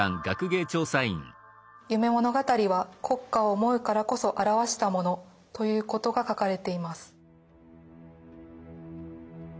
「夢物語」は「国家を思うからこそ著したもの」ということが書かれています。